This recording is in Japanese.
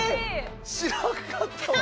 知らんかったわ。